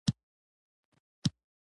مستعمره پښتونخوا دي لوي افغانستان برخه ده